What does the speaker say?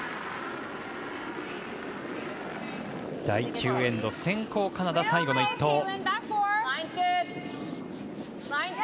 第９エンド、先攻カナダ、最後の１投。